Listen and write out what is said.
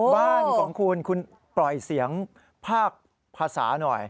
บ้านของคุณคุณปล่อยเสียงภาคภาษาหน่อย